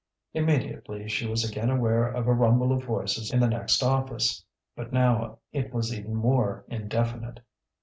Immediately she was again aware of a rumble of voices in the next office, but now it was even more indefinite.